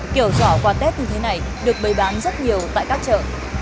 kiểu giỏ quà tết như thế này được bày bán rất nhiều tại các chợ